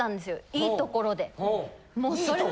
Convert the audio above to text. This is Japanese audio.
いいところでって。